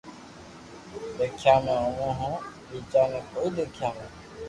دآکيا ۾ آووہ ھون ٻيجا ني ڪوئي ديکيا ۾